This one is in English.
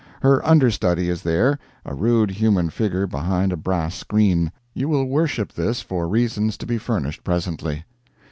Her under study is there a rude human figure behind a brass screen. You will worship this for reasons to be furnished presently.